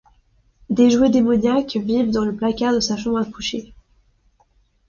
Des jouets démoniaques vivent dans le placard de sa chambre à coucher.